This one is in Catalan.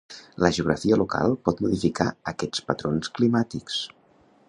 La geografia local pot modificar aquests patrons climàtics.